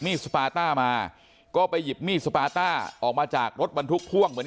สปาต้ามาก็ไปหยิบมีดสปาต้าออกมาจากรถบรรทุกพ่วงเหมือน